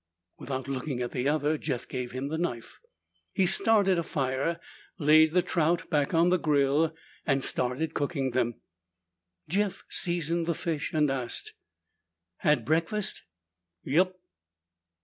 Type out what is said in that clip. Without looking at the other, Jeff gave him the knife. He started a fire, laid the trout back on the grill, and started cooking them. Jeff seasoned the fish and asked, "Had breakfast?" "Yup."